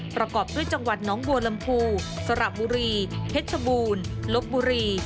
ประกอบด้วยจังหวัดน้องบัวลำพูสระบุรีเพชรบูรณ์ลบบุรี